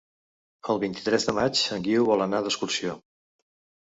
El vint-i-tres de maig en Guiu vol anar d'excursió.